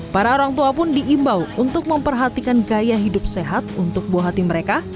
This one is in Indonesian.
para orang tua pun diimbau untuk memperhatikan gaya hidup sehat untuk buah hati mereka